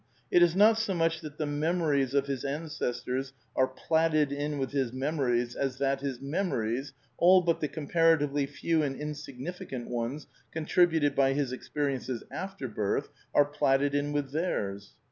It is not so much that the memories of his ancestors are platted in with his memories as that his memories — all but the comparatively few and insignifi cant ones contributed by his experiences after birth — are platted in with theirs.